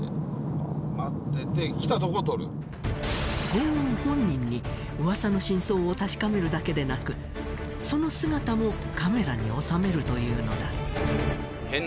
ゴーン本人に噂の真相を確かめるだけでなくその姿もカメラに収めるというのだ。